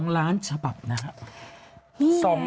๒ล้านฉบับนะครับ